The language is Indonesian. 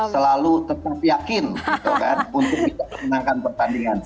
selalu tetap yakin untuk bisa menangkan pertandingan